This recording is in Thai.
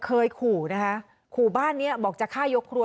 เคยขู่นะคะขู่บ้านเนี้ยบอกจะฆ่ายกครัว